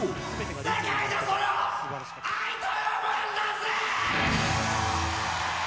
世界はそれを愛と呼ぶんだぜ。